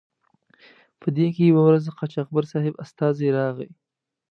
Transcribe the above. په دې کې یوه ورځ د قاچاقبر صاحب استازی راغی.